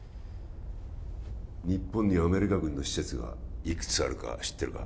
日本にアメリカ軍の施設がいくつあるか知ってるか？